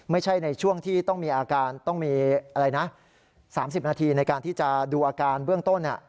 ในช่วงที่ต้องมีอาการต้องมีอะไรนะ๓๐นาทีในการที่จะดูอาการเบื้องต้น